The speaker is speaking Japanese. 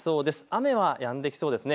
雨はやんできそうです。